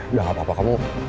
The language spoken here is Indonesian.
udah gak apa apa kamu